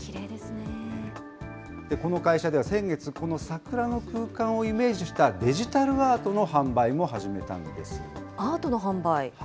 この会社では先月、この桜の空間をイメージしたデジタルアートの販売も始めたんです。